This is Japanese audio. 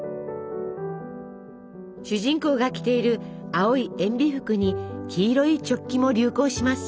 主人公が着ている青いえんび服に黄色いチョッキも流行します。